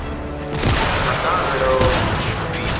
متان وڙو